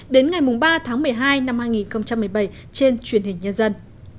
đến ngày ba tháng một mươi hai năm hai nghìn một mươi bảy trên truyền hình nhân dân